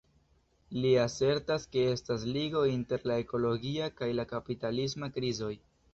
Li asertas ke estas ligo inter la ekologia kaj la kapitalisma krizoj.